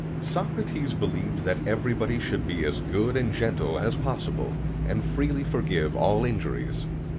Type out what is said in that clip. ] Socrates believed that everybody should be as good and gentle as possible, and freely forgive all injuries.